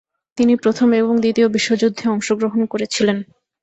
তিনি প্রথম এবং দ্বিতীয় বিশ্বযুদ্ধে অংশগ্রহণ করেছিলেন।